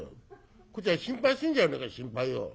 こっちは心配するじゃねえか心配を。